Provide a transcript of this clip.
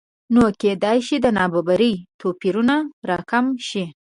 نو کېدای شي د نابرابرۍ توپیرونه راکم شي